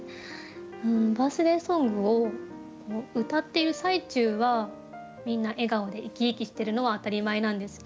バースデー・ソングを歌っている最中はみんな笑顔で生き生きしてるのは当たり前なんですけど